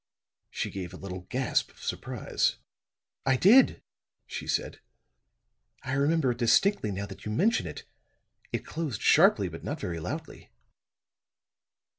She gave a little gasp of surprise. "I did," she said. "I remember it distinctly now that you mention it. It closed sharply, but not very loudly."